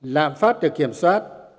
lạm phát được kiểm soát